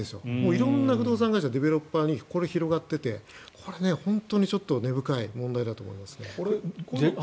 色んな不動産会社デベロッパーに広がっていてこれは本当に根深い問題だと思いますね。